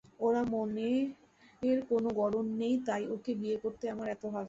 ওর মনের কোনো গড়ন নেই, তাই ওকে বিয়ে করতে আমার এত আগ্রহ।